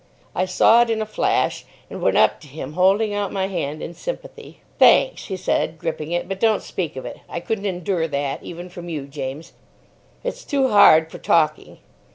I saw it in a flash, and went up to him holding out my hand in sympathy. "Thanks," he said, gripping it; "but don't speak of it. I couldn't endure that, even from you, James. It's too hard for talking.